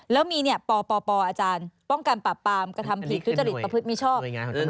แล้วมีเนี่ยปปปอาจารย์ป้องกันปราบปรามกธรรมผิดทุจจฤทธิ์ประพฤติไม่ชอบ